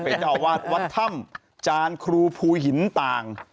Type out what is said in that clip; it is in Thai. พระเจ้าหวัดวัดธรรมจานครูภูหินตาง